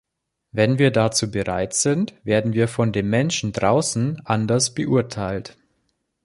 Wenn wir dazu bereit sind, werden wir von den Menschen draußen anders beurteilt.